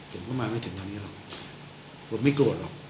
ผมก็มาไม่ถึงทางนี้หรอกผมไม่โกรธหรอก